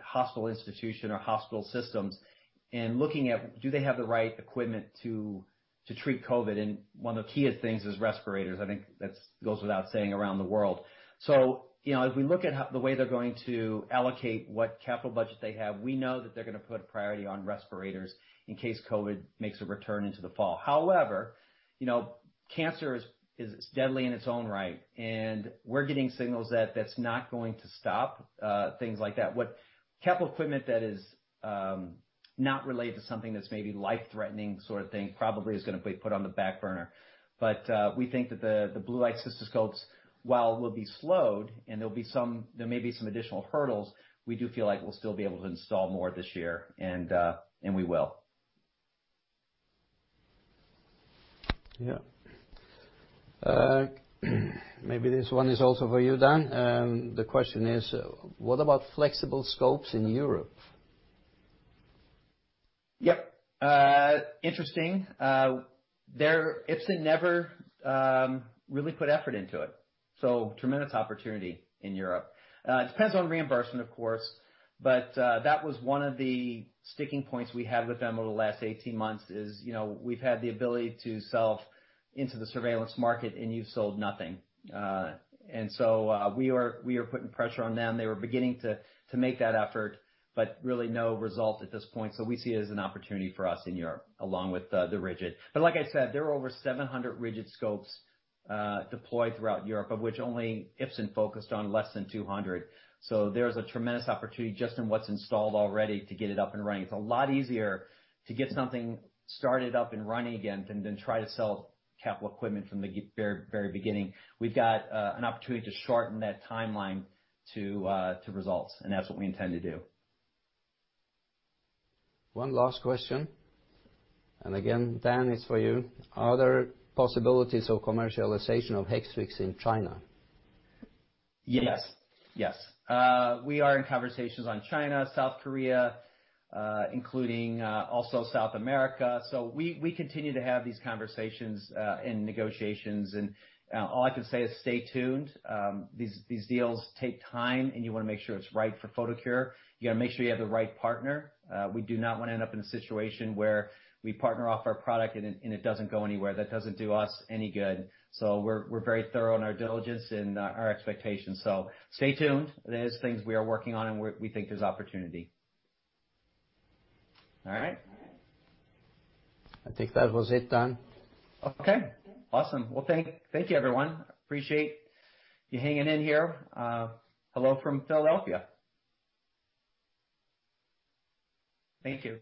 hospital institution or hospital systems in looking at do they have the right equipment to treat COVID. And one of the key things is respirators. I think that goes without saying around the world. So if we look at the way they're going to allocate what capital budget they have, we know that they're going to put a priority on respirators in case COVID makes a return into the fall. However, cancer is deadly in its own right, and we're getting signals that that's not going to stop things like that. Capital equipment that is not related to something that's maybe life-threatening sort of thing probably is going to be put on the back burner, but we think that the Blue Light cystoscopes, while they'll be slowed and there may be some additional hurdles, we do feel like we'll still be able to install more this year, and we will. Yeah. Maybe this one is also for you, Dan. The question is, what about flexible scopes in Europe? Yep. Interesting. Ipsen never really put effort into it. So tremendous opportunity in Europe. It depends on reimbursement, of course. But that was one of the sticking points we had with them over the last 18 months is we've had the ability to sell into the surveillance market, and you've sold nothing. And so we are putting pressure on them. They were beginning to make that effort, but really no result at this point. So we see it as an opportunity for us in Europe, along with the rigid. But like I said, there are over 700 rigid scopes deployed throughout Europe, of which only Ipsen focused on less than 200. So there's a tremendous opportunity just in what's installed already to get it up and running. It's a lot easier to get something started up and running again than to try to sell capital equipment from the very beginning. We've got an opportunity to shorten that timeline to results, and that's what we intend to do. One last question, and again, Dan, it's for you. Are there possibilities of commercialization of Hexvix in China? Yes. Yes. We are in conversations on China, South Korea, including also South America, so we continue to have these conversations and negotiations, and all I can say is stay tuned. These deals take time, and you want to make sure it's right for Photocure. You got to make sure you have the right partner. We do not want to end up in a situation where we partner off our product and it doesn't go anywhere. That doesn't do us any good, so we're very thorough in our diligence and our expectations. So stay tuned. There's things we are working on, and we think there's opportunity. All right? I think that was it, Dan. Okay. Awesome. Well, thank you, everyone. Appreciate you hanging in here. Hello from Philadelphia. Thank you.